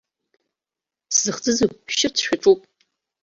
Сзыхӡыӡо шәшьырц шәаҿуп.